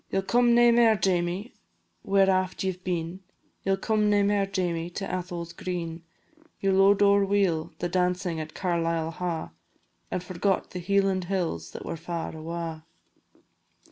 "Ye 'll come nae mair, Jamie, where aft ye 've been, Ye 'll come nae mair, Jamie, to Atholl's green; Ye lo'ed ower weel the dancin' at Carlisle Ha', And forgot the Hieland hills that were far awa'."